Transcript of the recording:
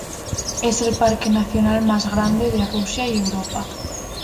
Es el parque nacional más grande de Rusia y Europa.